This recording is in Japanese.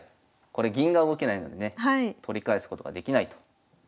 これ銀が動けないのでね取り返すことができないと。